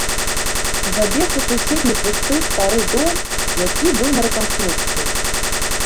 Забег у суседні пусты стары дом, які быў на рэканструкцыі.